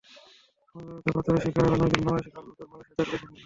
সমুদ্রপথে পাচারের শিকার আরও নয়জন বাংলাদেশি কাল বুধবার মালয়েশিয়া থেকে দেশে ফিরবেন।